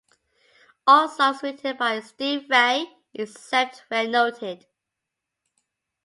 All songs written by Steve Vai, except where noted.